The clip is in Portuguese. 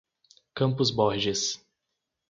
Campos Borges